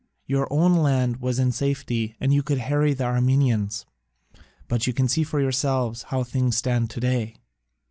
Your own land was in safety and you could harry the Armenians: but you can see for yourselves how things stand to day.